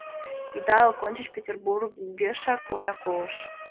Идалык ончыч Петербургешак Оля колыш...